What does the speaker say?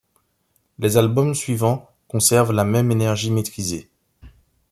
Les albums suivants conservent la même énergie maîtrisée.